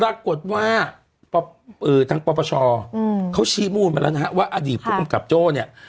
ปรากฏว่าทางปปชเขาชี้มูลมาแล้วนะฮะว่าอดีตผู้กำกับโจ้เนี่ย